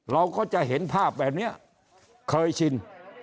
เราก็จะเห็นภาพแบบนี้เคยชิน